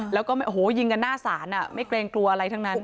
แล้วก็โอ้โหยิงกันหน้าศาลไม่เกรงกลัวอะไรทั้งนั้น